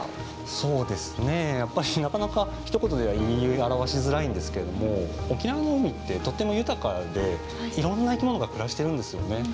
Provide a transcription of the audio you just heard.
そうですねやっぱりなかなかひと言では言い表しづらいんですけども沖縄の海ってとっても豊かでいろんな生き物が暮らしてるんですよね。